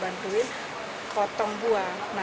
mereka bantuin potong buah